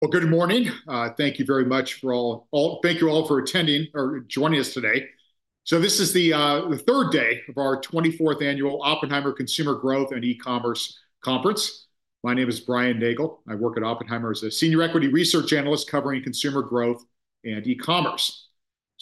Well, good morning. Thank you very much. Thank you all for attending or joining us today. This is the third day of our 24th Annual Oppenheimer Consumer Growth and E-Commerce Conference. My name is Brian Nagel. I work at Oppenheimer as a senior equity research analyst covering consumer growth and e-commerce.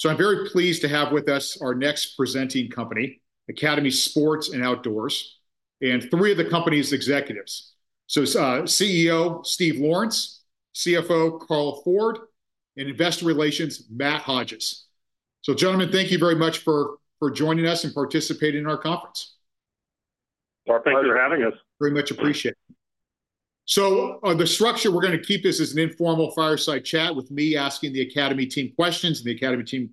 I'm very pleased to have with us our next presenting company, Academy Sports and Outdoors, and three of the company's executives. CEO Steve Lawrence, CFO Carl Ford, and Investor Relations Matt Hodges. Gentlemen, thank you very much for joining us and participating in our conference. Well, thank you for having us. Very much appreciate it. So, the structure, we're gonna keep this as an informal fireside chat, with me asking the Academy team questions and the Academy team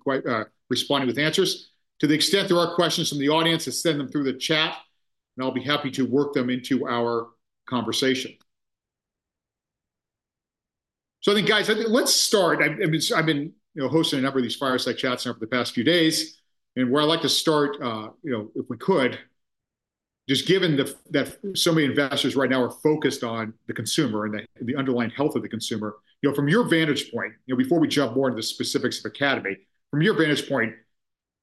responding with answers. To the extent there are questions from the audience, just send them through the chat, and I'll be happy to work them into our conversation. So I think, guys, I think let's start. I've been, you know, hosting a number of these fireside chats now for the past few days, and where I'd like to start, you know, if we could, just given that so many investors right now are focused on the consumer and the underlying health of the consumer, you know, from your vantage point, before we jump more into the specifics of Academy, from your vantage point,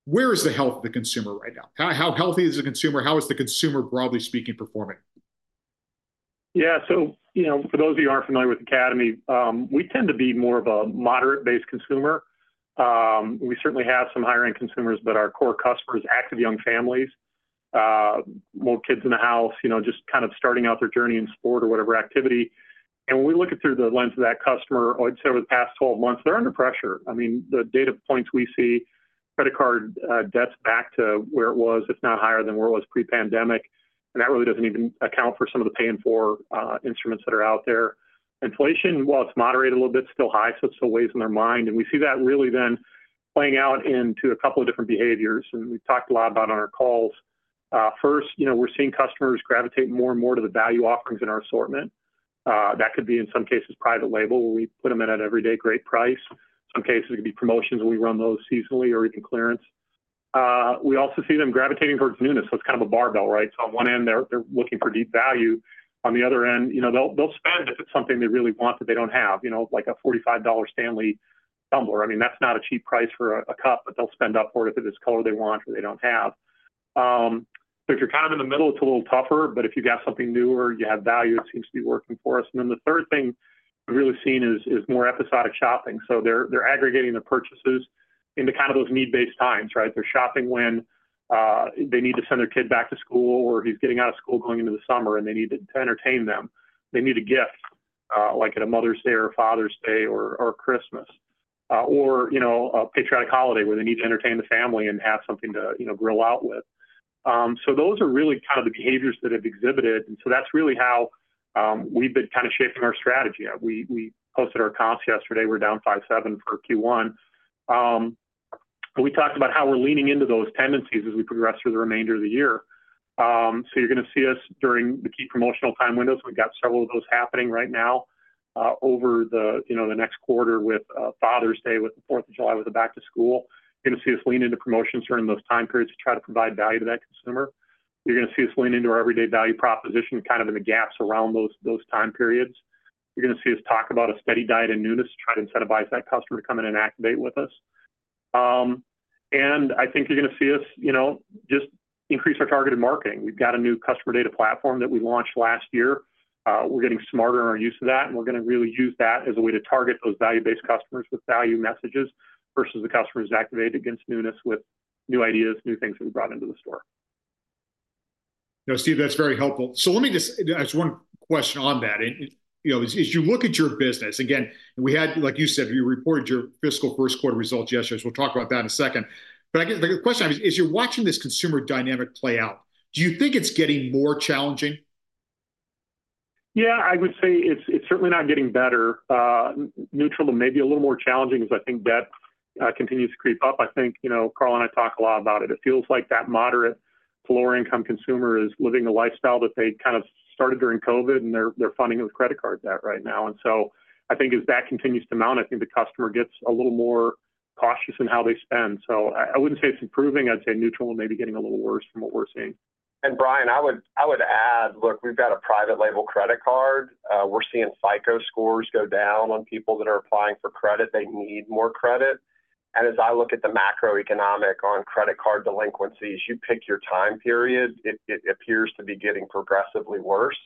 where is the health of the consumer right now? How, how healthy is the consumer? How is the consumer, broadly speaking, performing? Yeah, so you know, for those of you who aren't familiar with Academy, we tend to be more of a moderate-based consumer. We certainly have some higher-end consumers, but our core customer is active young families. More kids in the house, you know, just kind of starting out their journey in sport or whatever activity. And when we look at it through the lens of that customer, I'd say over the past 12 months, they're under pressure. I mean, the data points we see, credit card debts back to where it was, if not higher than where it was pre-pandemic, and that really doesn't even account for some of the Pay-in-4 instruments that are out there. Inflation, while it's moderated a little bit, is still high, so it still weighs on their mind. We see that really then playing out into a couple of different behaviors, and we've talked a lot about on our calls. First, you know, we're seeing customers gravitate more and more to the value offerings in our assortment. That could be, in some cases, private label, where we put them in at an everyday great price. Some cases, it could be promotions, and we run those seasonally or we can clearance. We also see them gravitating towards newness, so it's kind of a barbell, right? So on one end, they're, they're looking for deep value. On the other end, you know, they'll, they'll spend if it's something they really want that they don't have, you know, like a $45 Stanley Tumbler. I mean, that's not a cheap price for a cup, but they'll spend up for it if it's this color they want or they don't have. So if you're kind of in the middle, it's a little tougher, but if you've got something newer, you have value, it seems to be working for us. And then the third thing we've really seen is more episodic shopping. So they're aggregating the purchases into kind of those need-based times, right? They're shopping when they need to send their kid back to school, or he's getting out of school going into the summer, and they need to entertain them. They need a gift, like at a Mother's Day or Father's Day or, or Christmas, or, you know, a patriotic holiday, where they need to entertain the family and have something to, you know, grill out with. So those are really kind of the behaviors that have exhibited, and so that's really how, we've been kind of shaping our strategy. We, we posted our comps yesterday. We're down 5.7% for Q1. And we talked about how we're leaning into those tendencies as we progress through the remainder of the year. So you're gonna see us during the key promotional time windows. We've got several of those happening right now, over the, you know, the next quarter with, Father's Day, with the Fourth of July, with the back to school. You're gonna see us lean into promotions during those time periods to try to provide value to that consumer. You're gonna see us lean into our everyday value proposition, kind of in the gaps around those time periods. You're gonna see us talk about a steady diet and newness to try to incentivize that customer to come in and activate with us. And I think you're gonna see us, you know, just increase our targeted marketing. We've got a new customer data platform that we launched last year. We're getting smarter in our use of that, and we're gonna really use that as a way to target those value-based customers with value messages versus the customers activated against newness with new ideas, new things we brought into the store. Now, Steve, that's very helpful. So let me just have one question on that. You know, as you look at your business, again, we had, like you said, you reported your fiscal first quarter results yesterday, so we'll talk about that in a second. But I guess the question I have is: as you're watching this consumer dynamic play out, do you think it's getting more challenging? Yeah, I would say it's certainly not getting better. Neutral and maybe a little more challenging as I think debt continues to creep up. I think, you know, Carl and I talk a lot about it. It feels like that moderate to lower-income consumer is living a lifestyle that they kind of started during COVID, and they're funding it with credit card debt right now. And so I think as that continues to mount, I think the customer gets a little more cautious in how they spend. So I wouldn't say it's improving. I'd say neutral and maybe getting a little worse from what we're seeing. Brian, I would, I would add, look, we've got a private label credit card. We're seeing FICO scores go down on people that are applying for credit. They need more credit. And as I look at the macroeconomic on credit card delinquencies, you pick your time period, it, it appears to be getting progressively worse,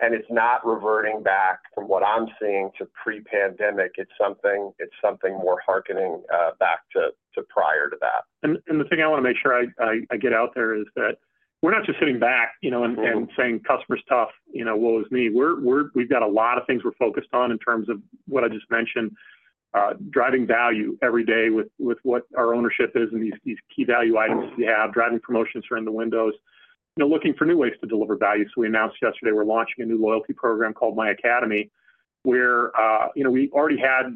and it's not reverting back, from what I'm seeing, to pre-pandemic. It's something, it's something more hearkening back to prior to that. The thing I wanna make sure I get out there is that we're not just sitting back, you know, and saying customer's tough, you know, woe is me. We've got a lot of things we're focused on in terms of what I just mentioned, driving value every day with what our ownership is and these key value items we have, driving promotions around the windows. You know, looking for new ways to deliver value. So we announced yesterday we're launching a new loyalty program called myAcademy, where, you know, we already had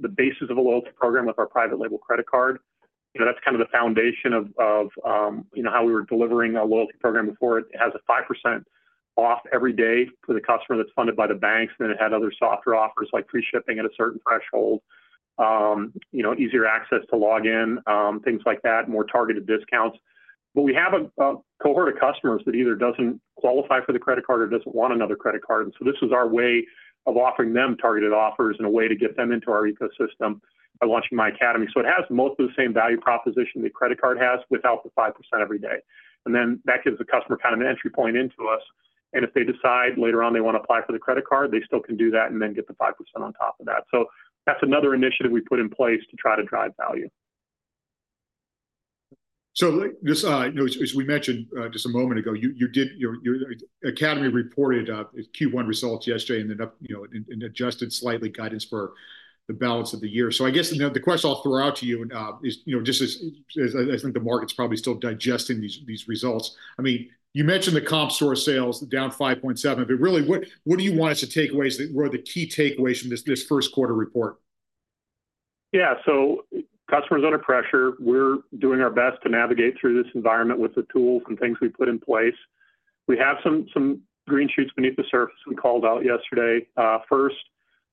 the basis of a loyalty program with our private label credit card. You know, that's kind of the foundation of, you know, how we were delivering our loyalty program before. It has a 5% off every day for the customer that's funded by the banks, and it had other softer offers, like free shipping at a certain threshold. You know, easier access to log in, things like that, more targeted discounts. But we have a cohort of customers that either doesn't qualify for the credit card or doesn't want another credit card, and so this is our way of offering them targeted offers and a way to get them into our ecosystem by launching myAcademy. So it has most of the same value proposition the credit card has without the 5% every day, and then that gives the customer kind of an entry point into us, and if they decide later on they want to apply for the credit card, they still can do that and then get the 5% on top of that. So that's another initiative we put in place to try to drive value. So, like this, you know, as we mentioned just a moment ago, your Academy reported its Q1 results yesterday and ended up, you know, and adjusted slightly guidance for the balance of the year. So I guess, you know, the question I'll throw out to you is, you know, just as I think the market's probably still digesting these results. I mean, you mentioned the comp store sales down 5.7%, but really, what do you want us to take away that were the key takeaways from this first quarter report? Yeah, so customers under pressure. We're doing our best to navigate through this environment with the tools and things we've put in place. We have some green shoots beneath the surface we called out yesterday. First,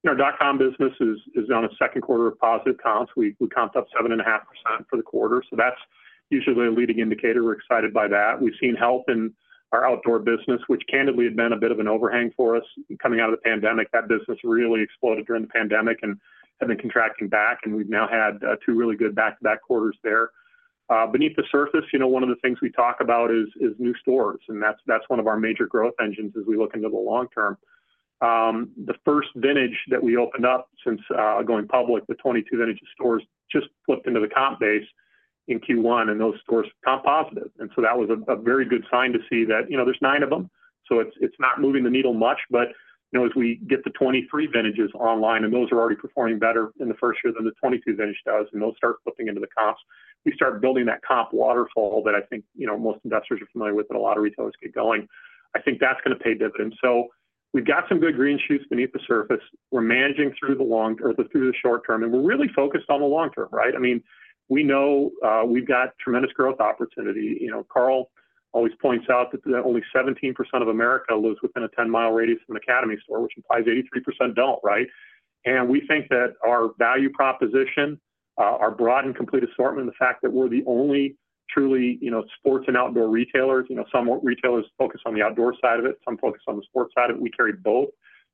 you know, our dot-com business is on a second quarter of positive comps. We comped up 7.5% for the quarter, so that's usually a leading indicator. We're excited by that. We've seen health in our outdoor business, which candidly had been a bit of an overhang for us coming out of the pandemic. That business really exploded during the pandemic and had been contracting back, and we've now had two really good back-to-back quarters there. Beneath the surface, you know, one of the things we talk about is new stores, and that's one of our major growth engines as we look into the long term. The first vintage that we opened up since going public, the 2022 vintage stores, just flipped into the comp base in Q1, and those stores comp positive. So that was a very good sign to see that. You know, there's nine of them, so it's not moving the needle much, but, you know, as we get the 2023 vintages online, and those are already performing better in the first year than the 2022 vintage does, and those start flipping into the comps, we start building that comp waterfall that I think, you know, most investors are familiar with, that a lot of retailers get going. I think that's gonna pay dividends. So we've got some good green shoots beneath the surface. We're managing through the long... or through the short term, and we're really focused on the long term, right? I mean, we know, we've got tremendous growth opportunity. You know, Carl always points out that, that only 17% of America lives within a 10-mile radius from an Academy store, which implies 83% don't, right? And we think that our value proposition, our broad and complete assortment, the fact that we're the only truly, you know, sports and outdoor retailers, you know, some retailers focus on the outdoor side of it, some focus on the sports side of it. We carry both.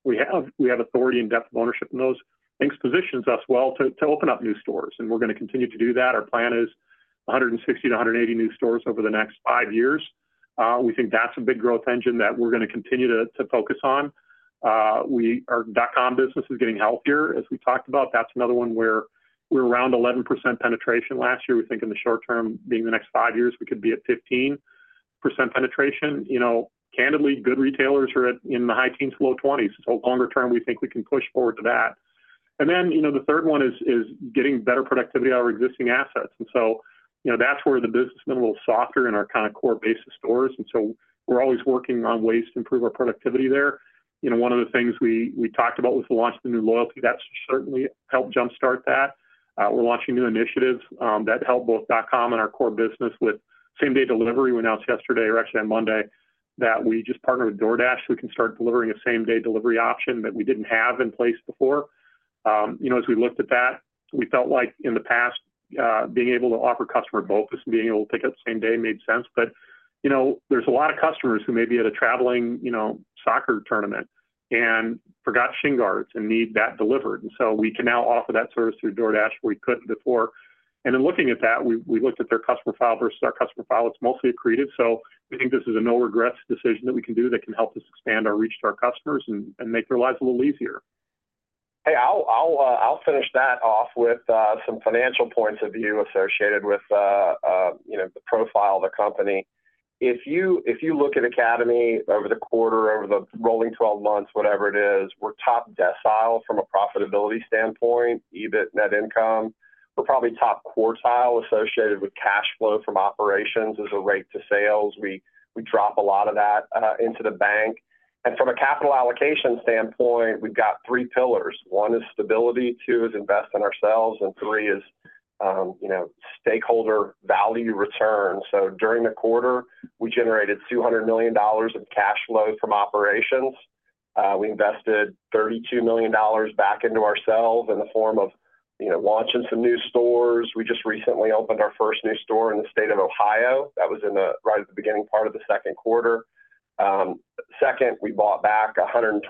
We have, we have authority and depth of ownership, and those things positions us well to, to open up new stores, and we're gonna continue to do that. Our plan is 160-180 new stores over the next five years. We think that's a big growth engine that we're gonna continue to, to focus on. Our dot-com business is getting healthier, as we talked about. That's another one where we're around 11% penetration last year. We think in the short term, being the next five years, we could be at 15% penetration. You know, candidly, good retailers are at, in the high teens-low 20s, so longer term, we think we can push forward to that. And then, you know, the third one is getting better productivity out of our existing assets. And so, you know, that's where the business has been a little softer in our kind of core base of stores, and so we're always working on ways to improve our productivity there. You know, one of the things we talked about was the launch of the new loyalty. That's certainly helped jumpstart that. We're launching new initiatives that help both dot-com and our core business with same-day delivery. We announced yesterday, or actually on Monday, that we just partnered with DoorDash, so we can start delivering a same-day delivery option that we didn't have in place before. You know, as we looked at that, we felt like in the past, being able to offer customers both and being able to pick up the same day made sense. But, you know, there's a lot of customers who may be at a traveling, you know, soccer tournament and forgot shin guards and need that delivered, and so we can now offer that service through DoorDash, where we couldn't before. And in looking at that, we looked at their customer file versus our customer file. It's mostly accretive, so we think this is a no-regrets decision that we can do that can help us expand our reach to our customers and, and make their lives a little easier. Hey, I'll finish that off with some financial points of view associated with you know, the profile of the company. If you look at Academy over the quarter, over the rolling 12 months, whatever it is, we're top decile from a profitability standpoint, EBIT, net income. We're probably top quartile associated with cash flow from operations as a rate to sales. We drop a lot of that into the bank. And from a capital allocation standpoint, we've got three pillars. One is stability, two is invest in ourselves, and three is you know, stakeholder value return. So during the quarter, we generated $200 million of cash flow from operations. We invested $32 million back into ourselves in the form of you know, launching some new stores. We just recently opened our first new store in the state of Ohio. That was in the, right at the beginning part of the second quarter. Second, we bought back $122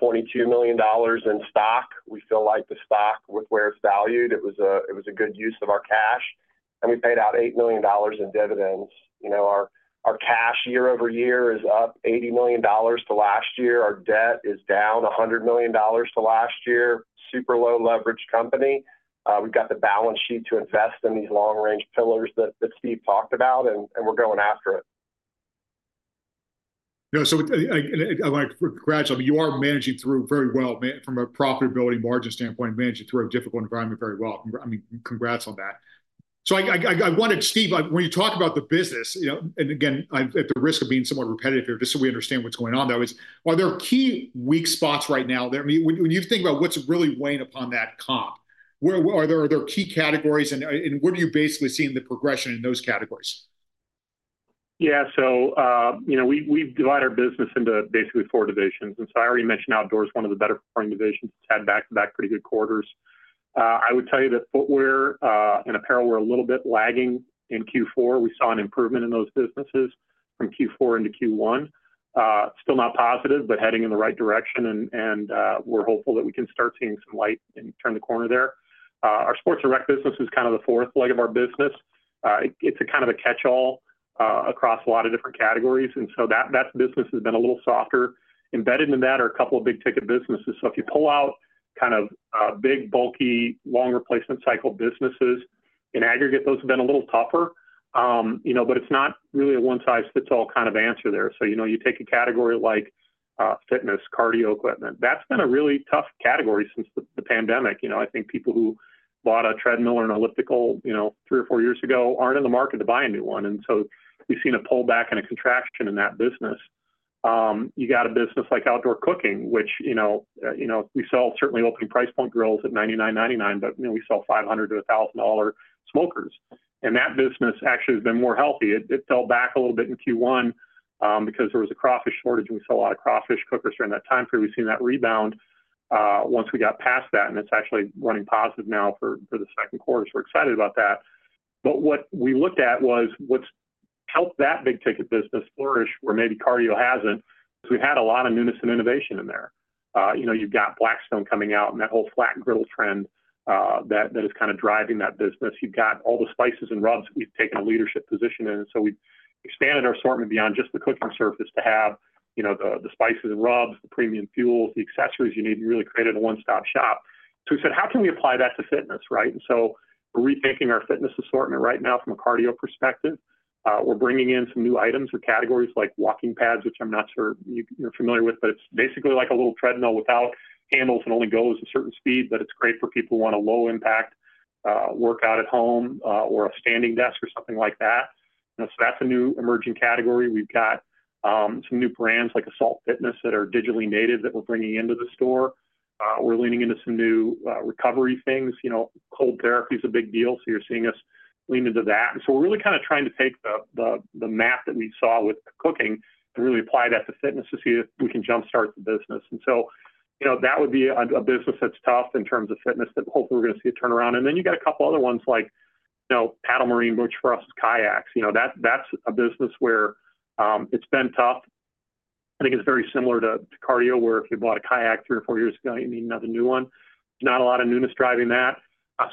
million in stock. We feel like the stock with where it's valued, it was a, it was a good use of our cash, and we paid out $8 million in dividends. You know, our cash year over year is up $80 million to last year. Our debt is down $100 million to last year. Super low leverage company. We've got the balance sheet to invest in these long-range pillars that Steve talked about, and we're going after it. Yeah, so, and I wanna congrats you. You are managing through very well, from a profitability margin standpoint, managing through a difficult environment very well. I mean, congrats on that. So I wanted, Steve, when you talk about the business, you know, and again, at the risk of being somewhat repetitive here, just so we understand what's going on, though, are there key weak spots right now there? I mean, when you think about what's really weighing upon that comp, are there key categories, and what are you basically seeing the progression in those categories? Yeah, so, you know, we divide our business into basically four divisions. And so I already mentioned Outdoor is one of the better performing divisions. It's had back-to-back pretty good quarters. I would tell you that Footwear and Apparel were a little bit lagging in Q4. We saw an improvement in those businesses from Q4 into Q1. Still not positive, but heading in the right direction, and we're hopeful that we can start seeing some light and turn the corner there. Our Sports and Rec business is kind of the fourth leg of our business. It's kind of a catch-all across a lot of different categories, and so that business has been a little softer. Embedded in that are a couple of big-ticket businesses. So if you pull out kind of, big, bulky, long replacement cycle businesses, in aggregate, those have been a little tougher. You know, but it's not really a one-size-fits-all kind of answer there. So, you know, you take a category like, fitness, cardio equipment, that's been a really tough category since the pandemic. You know, I think people who bought a treadmill or an elliptical, you know, three or four years ago, aren't in the market to buy a new one, and so we've seen a pullback and a contraction in that business. You got a business like outdoor cooking, which, you know, you know, we sell certainly open price point grills at $99.99, but, you know, we sell $500-$1,000 smokers, and that business actually has been more healthy. It fell back a little bit in Q1, because there was a crawfish shortage, and we saw a lot of crawfish cookers during that time frame. We've seen that rebound, once we got past that, and it's actually running positive now for the second quarter, so we're excited about that. But what we looked at was what's helped that big ticket business flourish, where maybe cardio hasn't, is we had a lot of newness and innovation in there. You know, you've got Blackstone coming out and that whole flat-top griddle trend, that is kinda driving that business. You've got all the spices and rubs we've taken a leadership position in, and so we expanded our assortment beyond just the cooking surface to have, you know, the spices and rubs, the premium fuels, the accessories you need. We really created a one-stop shop. So we said, "How can we apply that to fitness, right?" And so we're rethinking our fitness assortment right now from a cardio perspective. We're bringing in some new items or categories like walking pads, which I'm not sure you're familiar with, but it's basically like a little treadmill without handles and only goes a certain speed, but it's great for people who want a low impact workout at home, or a standing desk or something like that. And so that's a new emerging category. We've got some new brands like Assault Fitness that are digitally native, that we're bringing into the store. We're leaning into some new recovery things. You know, cold therapy is a big deal, so you're seeing us lean into that. And so we're really kinda trying to take the math that we saw with cooking and really apply that to fitness to see if we can jumpstart the business. And so, you know, that would be a business that's tough in terms of fitness, that hopefully we're going to see a turnaround. And then you got a couple other ones, like, you know, Paddle, Marine, which for us is kayaks. You know, that's a business where it's been tough. I think it's very similar to cardio, where if you bought a kayak three or four years ago, you need another new one. Not a lot of newness driving that.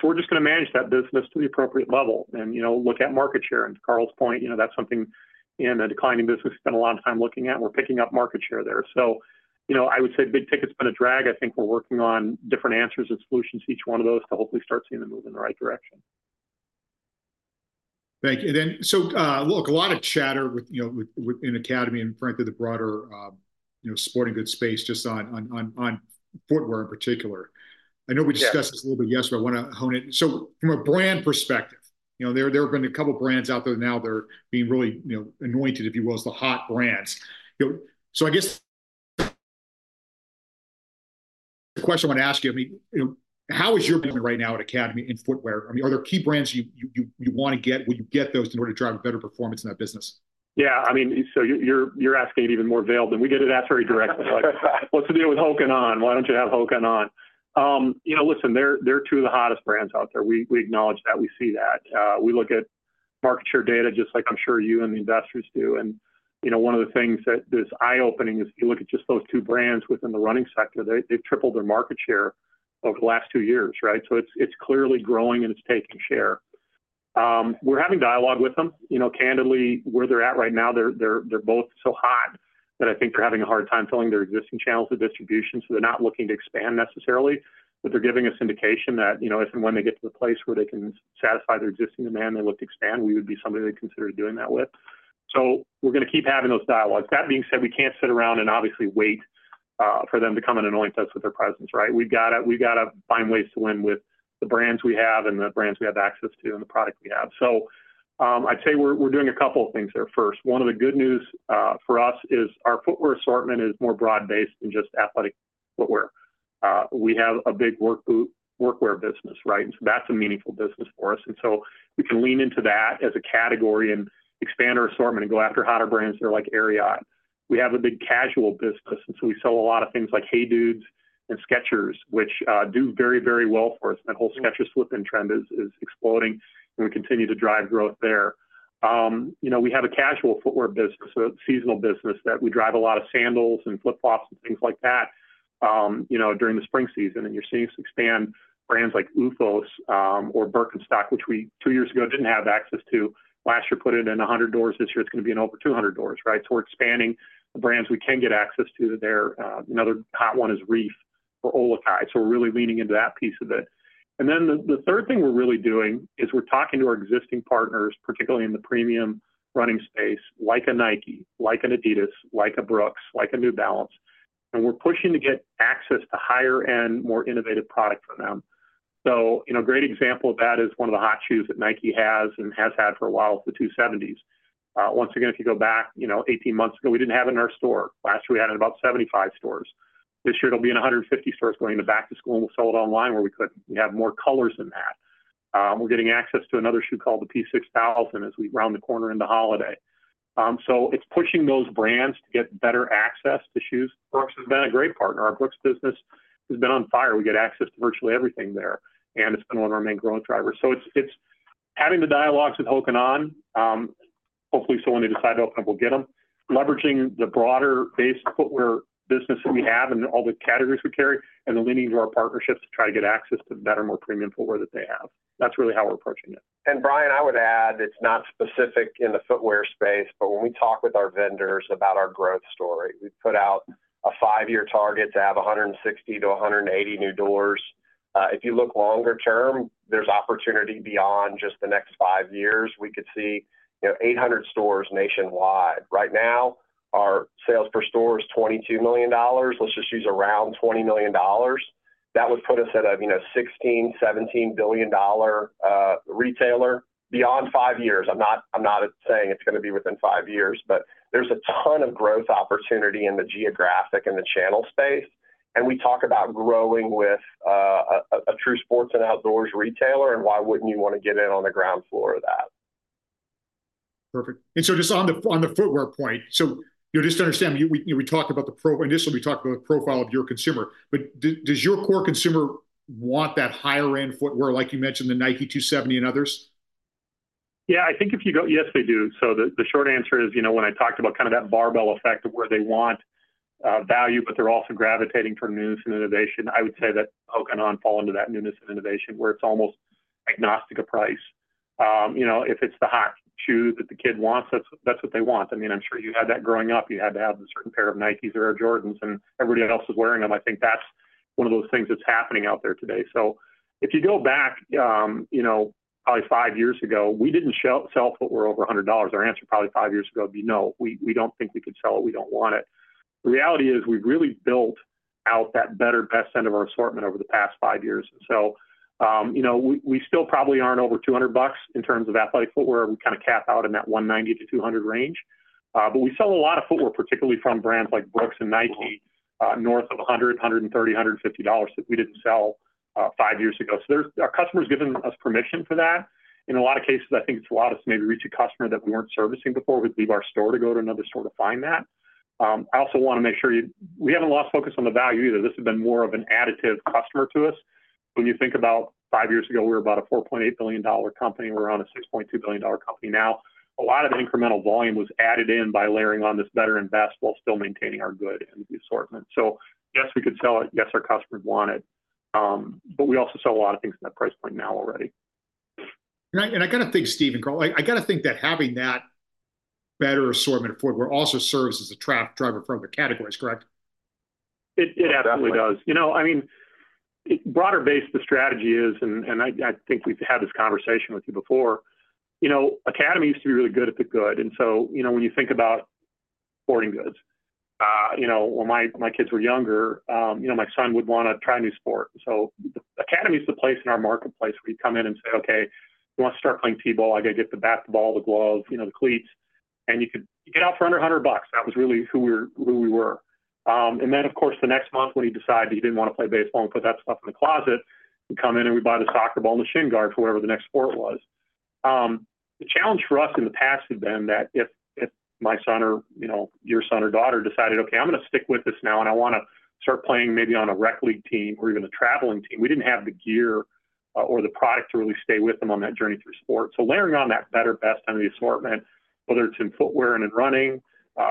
So we're just going to manage that business to the appropriate level and, you know, look at market share. To Carl's point, you know, that's something in a declining business, we spend a lot of time looking at, and we're picking up market share there. So, you know, I would say big ticket's been a drag. I think we're working on different answers and solutions to each one of those to hopefully start seeing them move in the right direction. Thank you. Look, a lot of chatter with, you know, within Academy and frankly, the broader, you know, sporting goods space, just on footwear in particular. I know we discussed this a little bit yesterday. I want to hone in. So from a brand perspective, you know, there, there have been a couple of brands out there now that are being really, you know, anointed, if you will, as the hot brands. You know, so I guess... The question I want to ask you, I mean, you know, how is your business right now at Academy in footwear? I mean, are there key brands you want to get, will you get those in order to drive a better performance in that business? Yeah, I mean, so you're, you're asking it even more veiled than we get it asked very directly. Like, "What's the deal with Hoka One One? Why don't you have Hoka One One?" You know, listen, they're, they're two of the hottest brands out there. We, we acknowledge that, we see that. We look at market share data, just like I'm sure you and the investors do. And, you know, one of the things that is eye-opening is if you look at just those two brands within the running sector, they've tripled their market share over the last two years, right? So it's, it's clearly growing and it's taking share. We're having dialogue with them. You know, candidly, where they're at right now, they're both so hot that I think they're having a hard time filling their existing channels of distribution, so they're not looking to expand necessarily. But they're giving us indication that, you know, if and when they get to the place where they can satisfy their existing demand, they look to expand, we would be somebody they consider doing that with. So we're going to keep having those dialogues. That being said, we can't sit around and obviously wait for them to come and anoint us with their presence, right? We've gotta find ways to win with the brands we have and the brands we have access to and the product we have. So, I'd say we're doing a couple of things there first. One of the good news, for us, is our footwear assortment is more broad-based than just athletic footwear. We have a big work boot, workwear business, right? And so that's a meaningful business for us. And so we can lean into that as a category and expand our assortment and go after hotter brands that are like Ariat. We have a big casual business, and so we sell a lot of things like HEYDUDE and Skechers, which, do very, very well for us. That whole Skechers Slip-ins trend is exploding, and we continue to drive growth there. You know, we have a casual footwear business, a seasonal business, that we drive a lot of sandals and flip-flops and things like that, you know, during the spring season. You're seeing us expand brands like OOFOS or Birkenstock, which we, two years ago, didn't have access to. Last year, put it in 100 doors. This year, it's going to be in over 200 doors, right? So we're expanding the brands we can get access to there. Another hot one is Reef or OluKai, so we're really leaning into that piece of it. And then the third thing we're really doing is we're talking to our existing partners, particularly in the premium running space, like a Nike, like an Adidas, like a Brooks, like a New Balance, and we're pushing to get access to higher-end, more innovative product from them. So, you know, a great example of that is one of the hot shoes that Nike has and has had for a while is the 270s. Once again, if you go back, you know, 18 months ago, we didn't have it in our store. Last year, we had it in about 75 stores. This year, it'll be in 150 stores going into back to school, and we'll sell it online, where we could. We have more colors than that. We're getting access to another shoe called the P-6000 as we round the corner in the holiday. So it's pushing those brands to get better access to shoes. Brooks has been a great partner. Our Brooks business has been on fire. We get access to virtually everything there, and it's been one of our main growth drivers. So it's having the dialogues with Hoka One One, hopefully, so when they decide to open, we'll get them, leveraging the broader base footwear business that we have and all the categories we carry, and then leaning into our partnerships to try to get access to the better, more premium footwear that they have. That's really how we're approaching it. Brian, I would add, it's not specific in the footwear space, but when we talk with our vendors about our growth story, we've put out a 5-year target to have 160-180 new doors. If you look longer term, there's opportunity beyond just the next five years. We could see, you know, 800 stores nationwide. Right now, our sales per store is $22 million. Let's just use around $20 million. That would put us at a, you know, $16 billion-$17 billion retailer beyond five years. I'm not, I'm not saying it's gonna be within five years, but there's a ton of growth opportunity in the geographic and the channel space, and we talk about growing with a true sports and outdoors retailer, and why wouldn't you want to get in on the ground floor of that? Perfect. And so just on the footwear point, so just to understand, we talked about the profile of your consumer initially, but does your core consumer want that higher-end footwear, like you mentioned, the Nike 270 and others? Yeah, I think if you go... Yes, they do. So the short answer is, you know, when I talked about kind of that barbell effect, of where they want value, but they're also gravitating toward newness and innovation, I would say that Hoka One One fall into that newness and innovation, where it's almost agnostic to price. You know, if it's the hot shoe that the kid wants, that's what they want. I mean, I'm sure you had that growing up. You had to have a certain pair of Nikes or Air Jordans, and everybody else was wearing them. I think that's one of those things that's happening out there today. So if you go back, you know, probably five years ago, we didn't sell footwear over $100. Our answer probably five years ago would be, "No, we, we don't think we could sell it. We don't want it." The reality is, we've really built out that better, best end of our assortment over the past five years. So, you know, we, we still probably aren't over $200 in terms of athletic footwear. We kind of cap out in that 190-200 range. But we sell a lot of footwear, particularly from brands like Brooks and Nike, north of $100, $130, $150, that we didn't sell five years ago. So there's our customers have given us permission for that. In a lot of cases, I think it's allowed us to maybe reach a customer that we weren't servicing before, would leave our store to go to another store to find that. I also want to make sure you... We haven't lost focus on the value either. This has been more of an additive customer to us. When you think about five years ago, we were about a $4.8 billion company. We're on a $6.2 billion company now. A lot of the incremental volume was added in by layering on this better investment while still maintaining our good in the assortment. So yes, we could sell it, yes, our customers want it, but we also sell a lot of things in that price point now already. I gotta think, Steve and Carl, that having that better assortment of footwear also serves as a traffic driver for other categories, correct? It absolutely does. You know, I mean, broader base, the strategy is, and I think we've had this conversation with you before, you know, Academy used to be really good at the good, and so, you know, when you think about sporting goods, you know, when my kids were younger, you know, my son would wanna try a new sport. So Academy is the place in our marketplace where you come in and say, "Okay, I wanna start playing T-ball. I gotta get the bat, the ball, the gloves, you know, the cleats," and you could get out for under $100. That was really who we were, who we were. And then, of course, the next month, when he decided he didn't want to play baseball and put that stuff in the closet, we'd come in, and we'd buy the soccer ball and the shin guards for whatever the next sport was. The challenge for us in the past had been that if my son or, you know, your son or daughter decided, "Okay, I'm gonna stick with this now, and I wanna start playing maybe on a rec league team or even a traveling team," we didn't have the gear, or the product to really stay with them on that journey through sport. So layering on that better, best end of the assortment, whether it's in footwear and in running,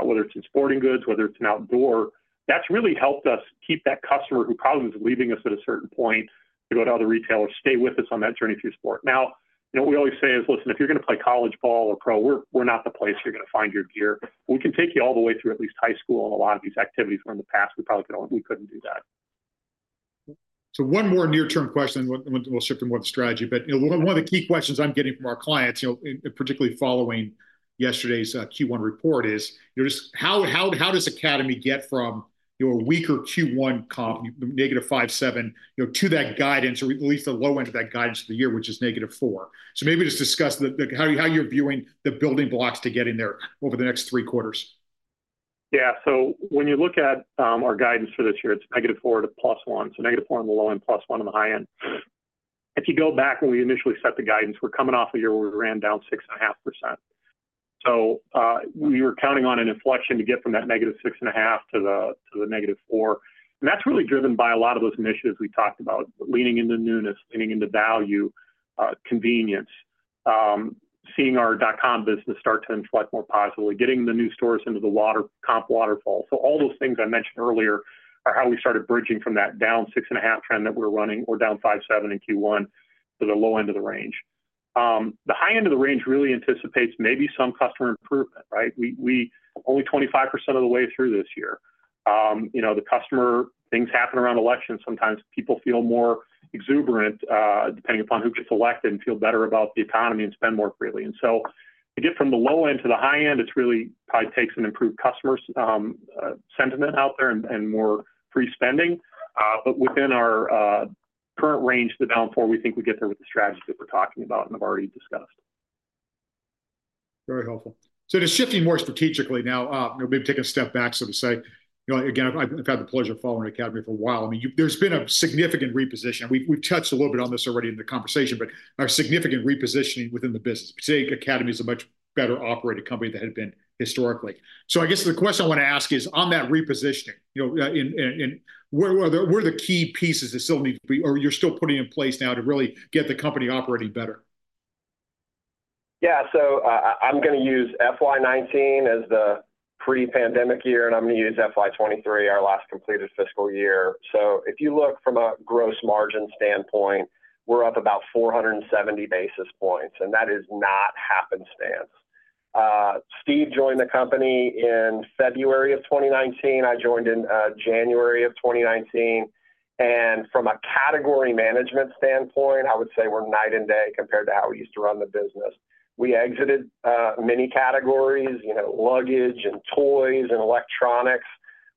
whether it's in sporting goods, whether it's in outdoor, that's really helped us keep that customer who probably was leaving us at a certain point to go to other retailers, stay with us on that journey through sport. Now, you know, we always say is, "Listen, if you're gonna play college ball or pro, we're, we're not the place you're gonna find your gear. We can take you all the way through at least high school and a lot of these activities where in the past, we probably could, we couldn't do that. So one more near-term question. We'll shift toward the strategy. But you know, one of the key questions I'm getting from our clients, you know, particularly following yesterday's Q1 report, is you know, just how does Academy get from you know, a weaker Q1 comp, negative 5.7, you know, to that guidance, or at least the low end of that guidance of the year, which is negative 4? So maybe just discuss how you're viewing the building blocks to getting there over the next three quarters. Yeah. So when you look at our guidance for this year, it's -4% to +1%, so -4% on the low end, +1% on the high end. If you go back when we initially set the guidance, we're coming off a year where we ran down 6.5%. So we were counting on an inflection to get from that -6.5% to the, to the -4%, and that's really driven by a lot of those initiatives we talked about, leaning into newness, leaning into value, convenience, seeing our dot-com business start to inflect more positively, getting the new stores into the comp waterfall. So all those things I mentioned earlier are how we started bridging from that down 6.5% trend that we're running, or down 5.7% in Q1, to the low end of the range. The high end of the range really anticipates maybe some customer improvement, right? We only 25% of the way through this year. You know, the customer, things happen around elections. Sometimes people feel more exuberant, depending upon who gets elected and feel better about the economy and spend more freely. And so to get from the low end to the high end, it's really probably takes an improved customer sentiment out there and more free spending. But within our current range to down 4%, we think we get there with the strategies that we're talking about and have already discussed. Very helpful. So just shifting more strategically now, you know, maybe take a step back, so to say, you know, again, I've had the pleasure of following Academy for a while. I mean, you-- there's been a significant reposition. We've touched a little bit on this already in the conversation, but a significant repositioning within the business. Today, Academy is a much better-operated company than it had been historically. So I guess the question I want to ask is, on that repositioning, you know, and where are the key pieces that still need to be or you're still putting in place now to really get the company operating better? Yeah, so I'm going to use FY 2019 as the pre-pandemic year, and I'm going to use FY 2023, our last completed fiscal year. So if you look from a gross margin standpoint, we're up about 470 basis points, and that is not happenstance. Steve joined the company in February 2019. I joined in January 2019, and from a category management standpoint, I would say we're night and day compared to how we used to run the business. We exited many categories, you know, luggage and toys and electronics.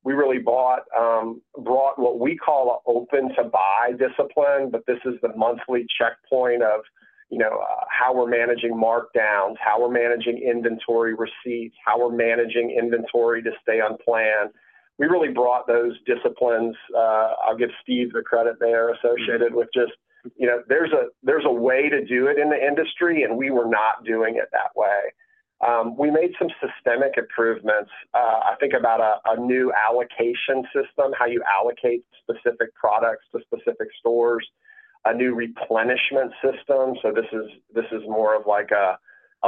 We really brought what we call an open-to-buy discipline, but this is the monthly checkpoint of, you know, how we're managing markdowns, how we're managing inventory receipts, how we're managing inventory to stay on plan. We really brought those disciplines. I'll give Steve the credit there, associated with just, you know, there's a way to do it in the industry, and we were not doing it that way. We made some systemic improvements, I think, about a new allocation system, how you allocate specific products to specific stores, a new replenishment system. So this is more of like a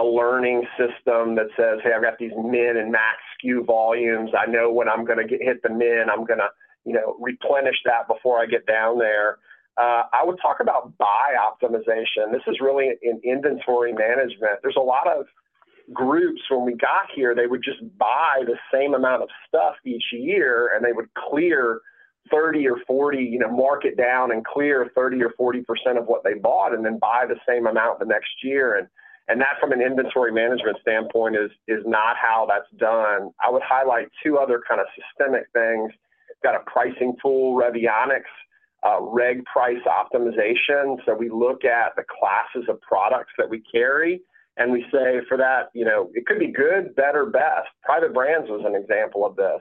learning system that says: "Hey, I've got these min and max SKU volumes. I know when I'm going to hit the min, I'm going to, you know, replenish that before I get down there." I would talk about buy optimization. This is really in inventory management. There's a lot of groups when we got here, they would just buy the same amount of stuff each year, and they would clear 30% or 40%, you know, mark it down and clear 30 or 40% of what they bought, and then buy the same amount the next year. That, from an inventory management standpoint, is not how that's done. I would highlight two other kind of systemic things. Got a pricing tool, Revionics, regular price optimization. So we look at the classes of products that we carry, and we say, for that, you know, it could be good, better, best. Private brands was an example of this.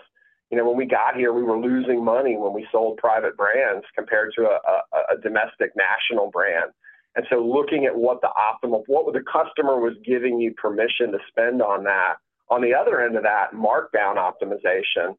You know, when we got here, we were losing money when we sold private brands compared to a domestic national brand. Looking at what the customer was giving you permission to spend on that. On the other end of that, markdown optimization.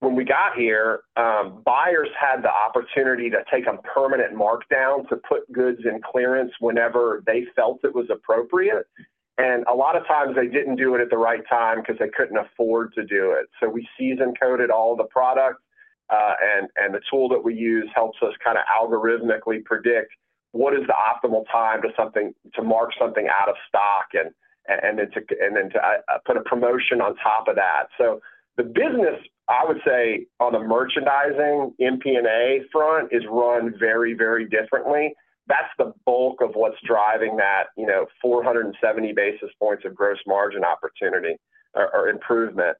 When we got here, buyers had the opportunity to take a permanent markdown to put goods in clearance whenever they felt it was appropriate, and a lot of times they didn't do it at the right time because they couldn't afford to do it. So we season-coded all the products, and the tool that we use helps us kind of algorithmically predict what is the optimal time to mark something out of stock and then to put a promotion on top of that. So the business, I would say, on the merchandising MP&A front, is run very, very differently. That's the bulk of what's driving that, you know, 470 basis points of gross margin opportunity or improvement.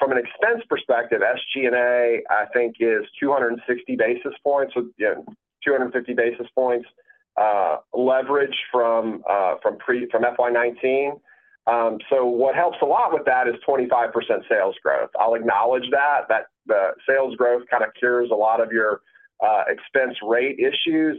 From an expense perspective, SG&A, I think, is 260 basis points, so, yeah, 250 basis points leverage from pre-FY 2019. So what helps a lot with that is 25% sales growth. I'll acknowledge that, that the sales growth kind of cures a lot of your expense rate issues.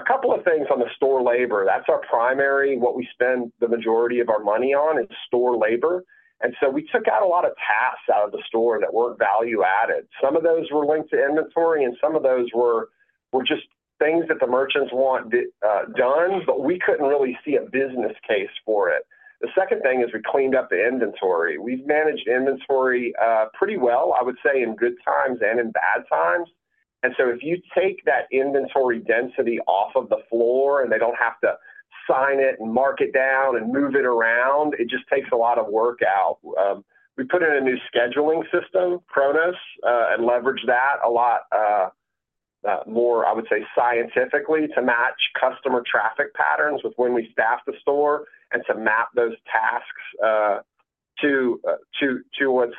But a couple of things on the store labor, that's our primary, what we spend the majority of our money on, is store labor. And so we took out a lot of tasks out of the store that weren't value-added. Some of those were linked to inventory, and some of those were just things that the merchants want done, but we couldn't really see a business case for it. The second thing is we cleaned up the inventory. We've managed inventory pretty well, I would say, in good times and in bad times. And so if you take that inventory density off of the floor, and they don't have to sign it and mark it down and move it around, it just takes a lot of work out. We put in a new scheduling system, Kronos, and leveraged that a lot more, I would say, scientifically, to match customer traffic patterns with when we staff the store and to map those tasks to what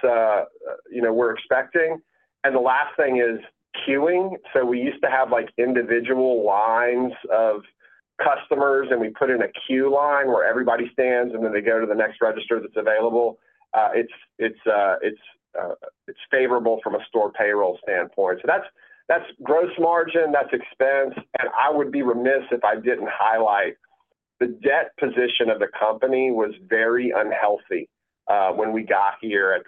you know we're expecting. And the last thing is queuing. So we used to have, like, individual lines of customers, and we put in a queue line where everybody stands, and then they go to the next register that's available. It's favorable from a store payroll standpoint. So that's gross margin, that's expense, and I would be remiss if I didn't highlight the debt position of the company was very unhealthy when we got here at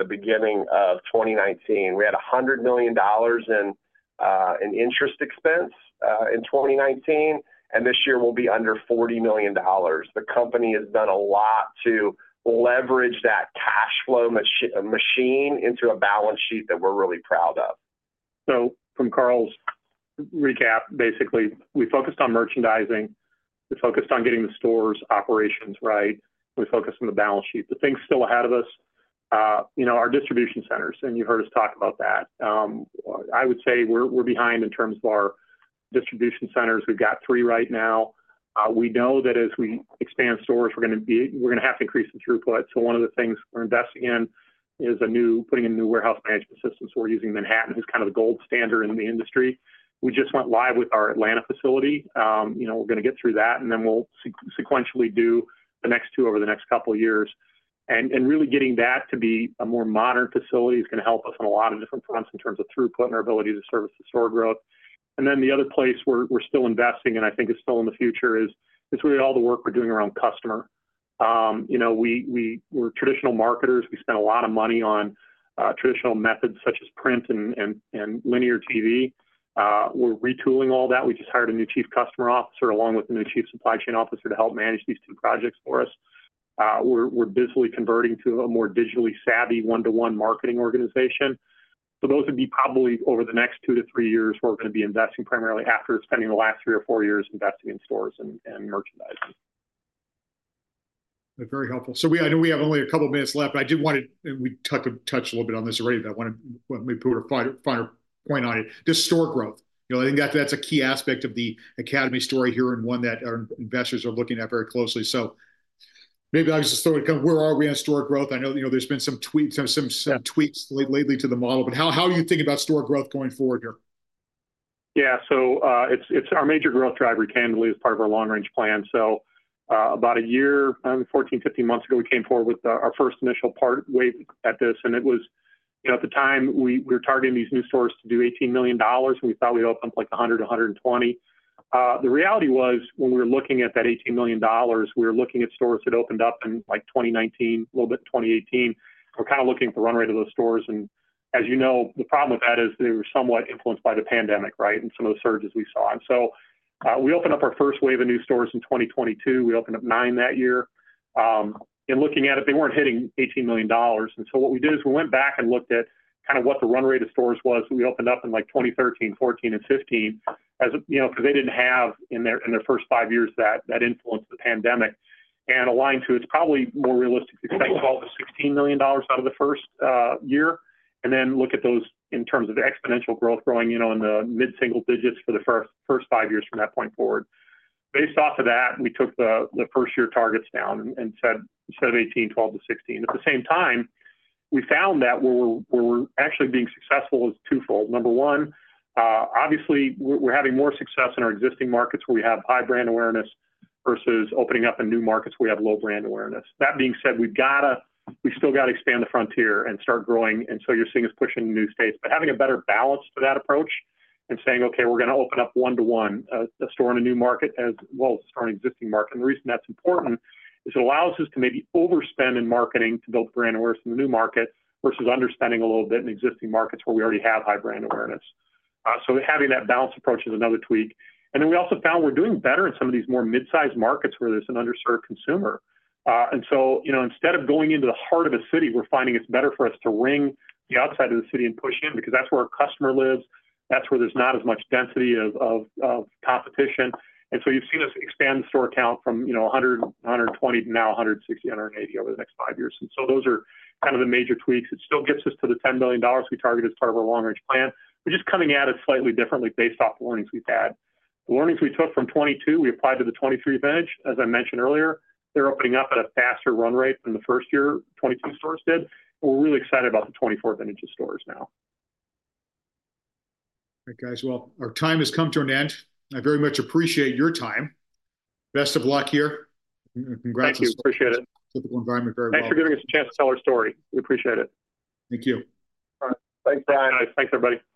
the beginning of 2019. We had $100 million in interest expense in 2019, and this year will be under $40 million. The company has done a lot to leverage that cash flow machine into a balance sheet that we're really proud of. So from Carl's recap, basically, we focused on merchandising, we focused on getting the stores' operations right, we focused on the balance sheet. The things still ahead of us, you know, our distribution centers, and you heard us talk about that. I would say we're behind in terms of our distribution centers. We've got three right now. We know that as we expand stores, we're going to have to increase the throughput. So one of the things we're investing in is putting in new warehouse management systems. We're using Manhattan, who's kind of the gold standard in the industry. We just went live with our Atlanta facility. You know, we're going to get through that, and then we'll sequentially do the next two over the next couple of years. Really getting that to be a more modern facility is going to help us in a lot of different fronts in terms of throughput and our ability to service the store growth. And then the other place where we're still investing, and I think is still in the future, is really all the work we're doing around customer. You know, we're traditional marketers. We spend a lot of money on traditional methods such as print and linear TV. We're retooling all that. We just hired a new Chief Customer Officer along with a new Chief Supply Chain Officer to help manage these two projects for us. We're busily converting to a more digitally savvy one-to-one marketing organization. So those would be probably over the next two to three years, where we're going to be investing primarily after spending the last three to four years investing in stores and merchandising. Very helpful. So I know we have only a couple of minutes left, but I did want to, and we touched a little bit on this already, but I want to maybe put a finer point on it. Just store growth. You know, I think that that's a key aspect of the Academy story here, and one that our investors are looking at very closely. So maybe I'll just start with, where are we on store growth? I know, you know, there's been some tweaks lately to the model, but how are you thinking about store growth going forward here? Yeah. So, it's our major growth driver candidly, as part of our long-range plan. So, about a year, probably 14, 15 months ago, we came forward with our first initial part wave at this, and it was, you know, at the time, we were targeting these new stores to do $18 million, and we thought we'd open, like, 100-120. The reality was, when we were looking at that $18 million, we were looking at stores that opened up in, like, 2019, a little bit in 2018. We're kind of looking at the run rate of those stores, and as you know, the problem with that is they were somewhat influenced by the pandemic, right? And so, we opened up our first wave of new stores in 2022. We opened up nine that year. And looking at it, they weren't hitting $18 million. And so what we did is we went back and looked at kind of what the run rate of stores was when we opened up in, like, 2013, 2014, and 2015, as, you know, because they didn't have in their first five years that influence of the pandemic. And aligned to, it's probably more realistically to expect $12 million-$16 million out of the first year, and then look at those in terms of exponential growth, growing, you know, in the mid-single digits for the first five years from that point forward. Based off of that, we took the first-year targets down and said instead of $18 million, $12 million-$16 million. At the same time, we found that where we're actually being successful is twofold. Number one, obviously, we're having more success in our existing markets, where we have high brand awareness versus opening up in new markets, we have low brand awareness. That being said, we've got to, we still got to expand the frontier and start growing, and so you're seeing us pushing new states. But having a better balance to that approach and saying, "Okay, we're going to open up one to one, a store in a new market as well as start an existing market." And the reason that's important is it allows us to maybe overspend in marketing to build brand awareness in the new market, versus underspending a little bit in existing markets where we already have high brand awareness. So having that balanced approach is another tweak. And then we also found we're doing better in some of these more mid-sized markets where there's an underserved consumer. And so, you know, instead of going into the heart of a city, we're finding it's better for us to ring the outside of the city and push in, because that's where our customer lives. That's where there's not as much density of competition. And so you've seen us expand the store count from, you know, 100, 120 to now 160, 180 over the next five years. And so those are kind of the major tweaks. It still gets us to the $10 million we targeted as part of our long-range plan. We're just coming at it slightly differently based off the learnings we've had. The learnings we took from 2022, we applied to the 2023 vintage. As I mentioned earlier, they're opening up at a faster run rate than the first year 2022 stores did. We're really excited about the 2024 vintage of stores now. All right, guys. Well, our time has come to an end. I very much appreciate your time. Best of luck here, and congrats. Thank you. Appreciate it. Typical environment very well. Thanks for giving us a chance to tell our story. We appreciate it. Thank you. All right. Thanks, guys. Thanks, everybody.